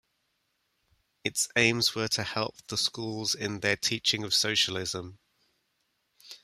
Its aims were to help the schools in their teaching of Socialism.